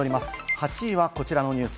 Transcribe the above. ８位はこちらのニュース。